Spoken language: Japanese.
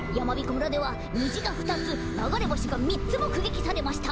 村ではにじがふたつながれぼしがみっつもくげきされました！